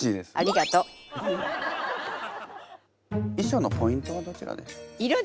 衣装のポイントはどちらでしょう？